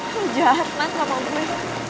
lo jahat man sama gue